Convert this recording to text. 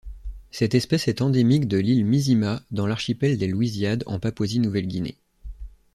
Cette espèce est endémique de l'île Misima dans l'archipel des Louisiades en Papouasie-Nouvelle-Guinée.